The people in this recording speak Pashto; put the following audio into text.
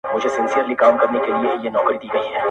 په خپل کور کي یې پردی پر زورور دی!.